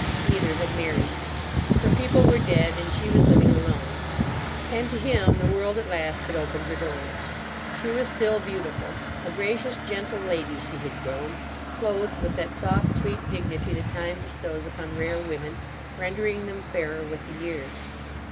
Neither had married. Her people were dead and she was living alone; and to him the world at last had opened her doors. She was still beautiful. A gracious, gentle lady, she had grown; clothed with that soft sweet dignity that Time bestows upon rare women, rendering them fairer with the years.